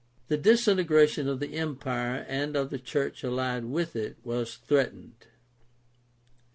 The disintegration of the Empire and of the church allied with it was. threatened.